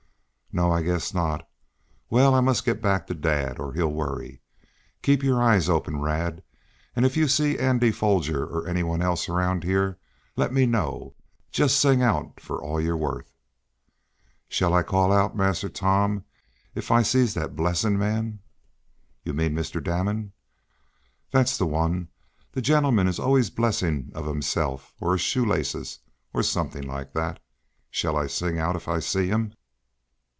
"No, I guess not. Well, I must get back to dad, or he'll worry. Keep your eyes open, Rad, and if you see Andy Foger, or any one else, around here, let me know. Just sing out for all you're worth." "Shall I call out, Massa Tom, ef I sees dat blessin' man?" "You mean Mr. Damon?" "Dat's de one. De gen'man what's allers a blessin' ob hisself or his shoelaces, or suffin laik dat. Shall I sing out ef I sees him?"